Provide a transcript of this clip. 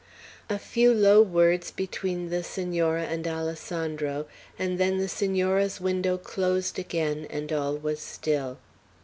A few low words between the Senora and Alessandro, and then the Senora's window closed again, and all was still.